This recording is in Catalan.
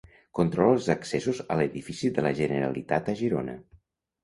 Controla els accessos a l'edifici de la Generalitat a Girona.